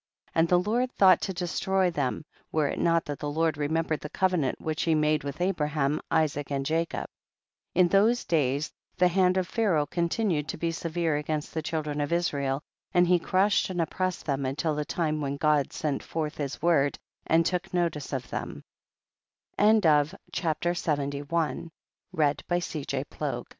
15. And the Lord thought to de stroy them, were it not that the Lord remembered the covenant which he had made with Abraham, Isaac and Jacob. 16. In those days the hand of Pharaoh continued to be severe against the children of Israel, and he crushed and oppressed them until the time when God sent forth his word and took notice o